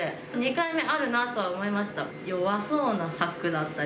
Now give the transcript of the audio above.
２回目あるなとは思いました。